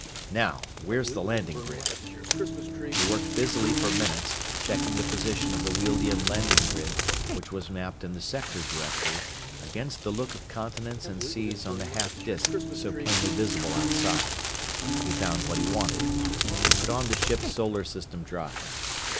Now, where's the landing grid?" He worked busily for minutes, checking the position of the Wealdian landing grid, which was mapped in the Sector Directory, against the look of continents and seas on the half disk so plainly visible outside. He found what he wanted. He put on the ship's solar system drive.